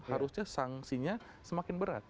harusnya sanksinya semakin berat